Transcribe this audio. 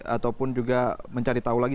ataupun juga mencari tahu lagi